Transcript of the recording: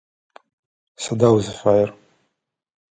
Сыда узыфаер?